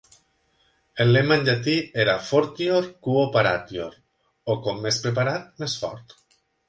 El lema en llatí era "Fortior quo paratior", o "Com més preparat, més fort".